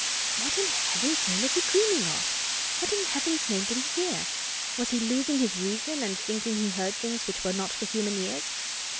What in heaven's name was he dreaming of—what in heaven's name did he hear? Was he losing his reason and thinking he heard things which were not for human ears?